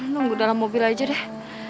nunggu dalam mobil aja deh